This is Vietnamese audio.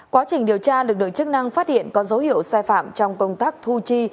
quá trình điều tra lực lượng chức năng phát hiện có dấu hiệu sai phạm trong công tác thu chi